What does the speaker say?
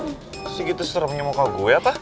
masih gitu seremnya muka gue apa